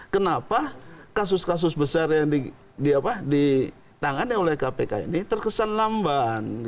kenapa kasus kasus besar yang ditangani oleh kpk ini terkesan lamban